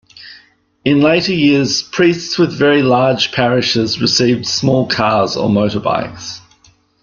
In later years, priests with very large parishes received small cars or motor bikes.